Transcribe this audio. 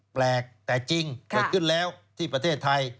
แปลกแต่จริงเกิดขึ้นแล้วที่ประเทศไทย